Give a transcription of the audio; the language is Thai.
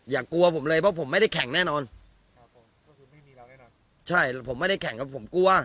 อย่ากลัวผมเลยเพราะผมไม่ได้แข่งแน่นอนใช่ผมไม่ได้แข่งครับผมกลัว